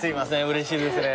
うれしいですね